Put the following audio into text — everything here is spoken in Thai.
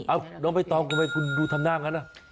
เอ้าน้องพี่ต้องทำงานกันนะ